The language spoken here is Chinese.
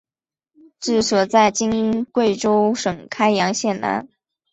治所在今贵州省开阳县南。